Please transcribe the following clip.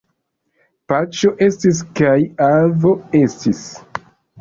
Paĉjo estis kaj avo estis.